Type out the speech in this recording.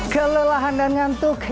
kelelahan dan ngantuk